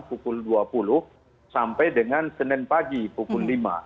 pukul dua puluh sampai dengan senin pagi pukul lima